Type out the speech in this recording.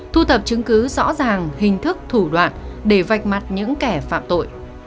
thu thập chứng cứ rõ ràng hình thức thủ đoạn để vạch mặt những kẻ phạm tội